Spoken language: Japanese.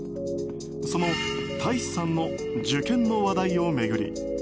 その大維志さんの受験の話題を巡り